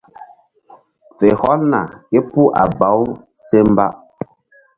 Fe hɔlna képuh a baw se mba.